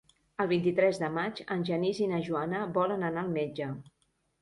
El vint-i-tres de maig en Genís i na Joana volen anar al metge.